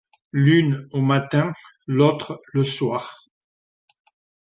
L'une au matin, l'autre le soir.